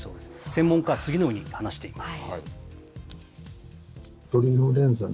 専門家は次のように話しています。